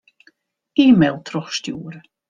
E-mail trochstjoere.